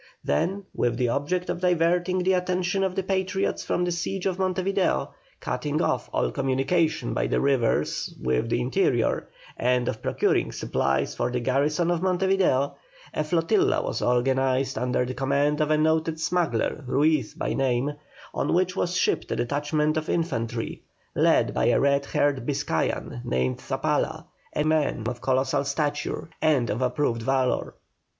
Then, with the object of diverting the attention of the Patriots from the siege of Monte Video, cutting off all communication by the rivers with the interior, and of procuring supplies for the garrison of Monte Video, a flotilla was organised under the command of a noted smuggler, Ruiz by name, on which was shipped a detachment of infantry, led by a red haired Biscayan, named Zabala, a man of colossal stature and of approved valour.